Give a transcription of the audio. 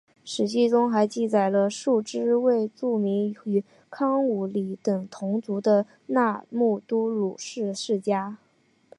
史籍中还记载了数支未注明与康武理等同族的那木都鲁氏世家。